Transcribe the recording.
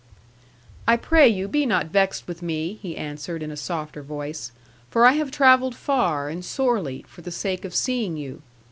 '"I pray you be not vexed with me," he answered, in a softer voice; "for I have travelled far and sorely, for the sake of seeing you.